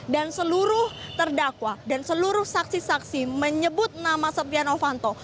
dan seluruh terdakwa dan seluruh saksi saksi menyebut nama setia novanto